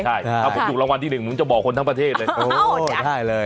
ถ้าผมถูกรางวัลที่หนึ่งผมจะบอกคนทั้งประเทศเลย